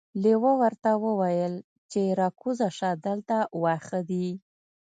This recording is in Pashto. لیوه ورته وویل چې راکوزه شه دلته واښه دي.